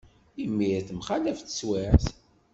Imir temxalaf teswiεt.